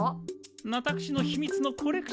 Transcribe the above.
私の秘密のコレクションルームだよ。